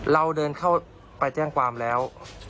เราเดินเข้าไปแจ้งความแล้ว